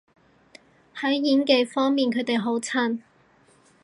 喺演技方面佢哋好襯